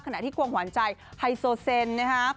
ที่ควงหวานใจไฮโซเซนนะครับ